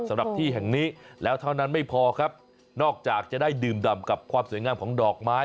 สำหรับที่แห่งนี้แล้วเท่านั้นไม่พอครับนอกจากจะได้ดื่มดำกับความสวยงามของดอกไม้